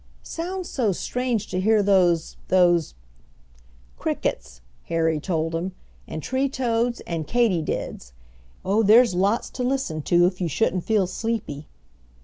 "Sounds so strange to hear those those " "Crickets," Harry told him, "and tree toads and katydids. Oh, there's lots to listen to if you shouldn't feel sleepy."